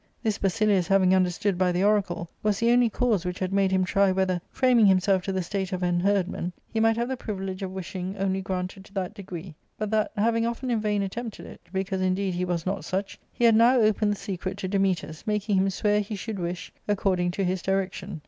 This Basilius having understood by the oracle, was the only cause which had made him try whether, framing himself to the state of an herdman, he might have the privilege of wishing only granted to that degree ; but that, having often in vain attempted it, because indeed he was not such, he had now opened the secret to Dame tas, making him swear he should wish according to his direction.